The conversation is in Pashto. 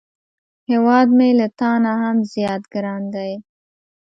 هیواد مې له تا نه هم زیات ګران دی